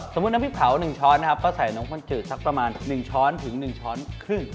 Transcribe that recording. น้ำพริกเผา๑ช้อนนะครับก็ใส่นมข้นจืดสักประมาณ๑ช้อนถึง๑ช้อนครึ่ง